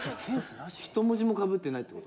１文字もかぶってないって事？